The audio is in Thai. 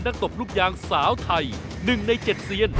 ตบลูกยางสาวไทย๑ใน๗เซียน